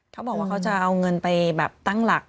เขาบอกว่าเขาจะเอาเงินไปแบบตั้งหลัก